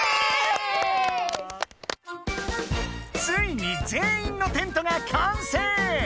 ついに全員のテントが完成！